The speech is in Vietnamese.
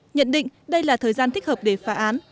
nhận định đây là thời gian thích hợp để phá án